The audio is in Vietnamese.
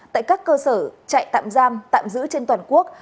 tại các cơ sở trại tạm giam tạm giữ trên toàn quốc